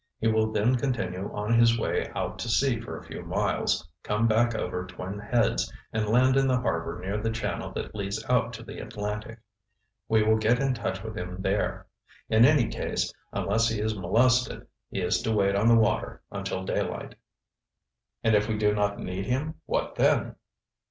He will then continue on his way out to sea for a few miles, come back over Twin Heads and land in the harbor near the channel that leads out to the Atlantic. We will get in touch with him there. In any case, unless he is molested, he is to wait on the water until daylight." "And if we do not need him, what then?"